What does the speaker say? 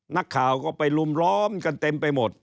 นักข่าวก็ไปลุมล้อมกันเต็มไปหมด